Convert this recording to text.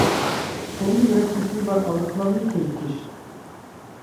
تۇغما يۈرەك كېسىلى بار ئاغرىقلارنى كۆزىتىش.